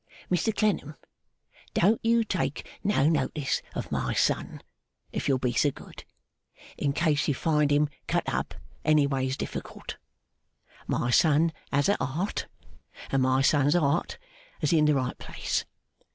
Mr Clennam, don't you take no notice of my son (if you'll be so good) in case you find him cut up anyways difficult. My son has a 'art, and my son's 'art is in the right place.